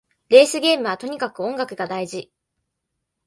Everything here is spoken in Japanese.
レースゲームはとにかく音楽が大事